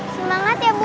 semangat ya bun